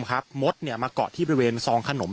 และก็คือว่าถึงแม้วันนี้จะพบรอยเท้าเสียแป้งจริงไหม